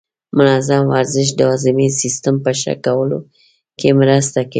منظم ورزش د هاضمې سیستم په ښه کولو کې مرسته کوي.